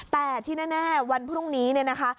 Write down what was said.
แต่ที่แน่วันพรุ่งนี้เนี่ยนะคะ